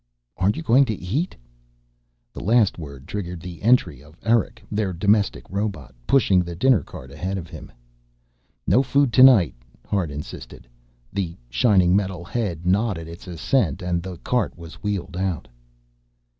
"Aren't you going to eat?" The last word triggered the entry of Eric, the domestic robot, pushing the dinner cart ahead of him. "No food to night," Hart insisted. The shining metal head nodded its assent and the cart was wheeled out.